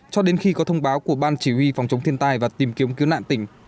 cho đến khi có thông báo của ban chỉ huy phòng chống thiên tai và tìm kiếm cứu nạn tỉnh